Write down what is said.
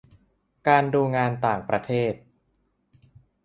การดูงานต่างประเทศ